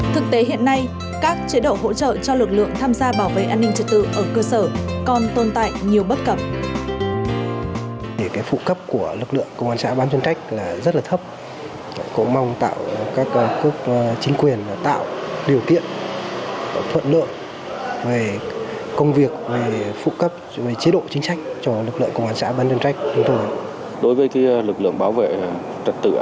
thực tế hiện nay các chế độ hỗ trợ cho lực lượng tham gia bảo vệ an ninh trật tự